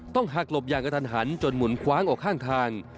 ต้องหักลบยางกับทันหันจนหมุนคว้างออกข้างทาง